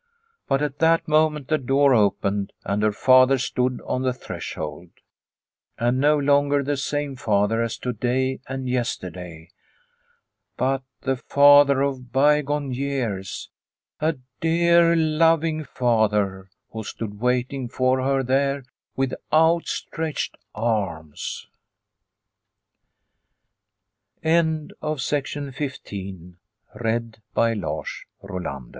But at that moment the door opened and her father stood on the threshold. And no longer the same father as to day and yesterday, but the father of bygone years, a dear loving father who stood waiting for her there with outstretched a